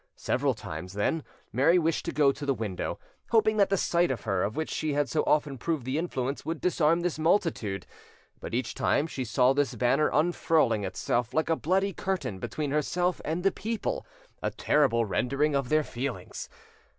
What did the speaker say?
Several times, then, Mary wished to go to the window, hoping that the sight of her, of which she had so often proved the influence, would disarm this multitude; but each time she saw this banner unfurling itself like a bloody curtain between herself and the people—a terrible rendering of their feelings.